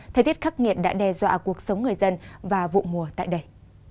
thời tiết khắc nghiệt đã đe dọa cuộc sống người dân và vụ mùa tại đây